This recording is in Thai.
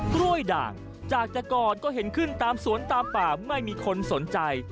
กล้วยด่างจากแต่ก่อนก็เห็นขึ้นตามสวนตามป่าไม่มีคนสนใจ